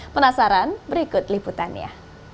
penasaran berikut liputannya